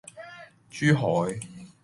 珠海